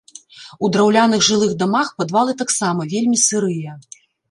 У драўляных жылых дамах падвалы таксама вельмі сырыя.